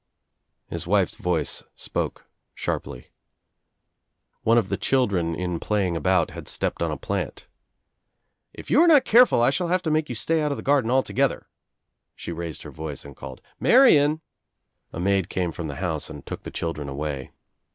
His wife's voice spoke sharply. One of the chil dren in playing about, had stepped on a plant. "If you are not careful I shall have to make you stay out of the garden altogether." She raised her voice and called, "Marian I" A maid came from the house and took the children away.